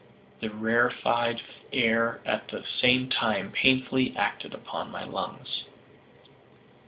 The rarefied air at the same time painfully acted upon my lungs.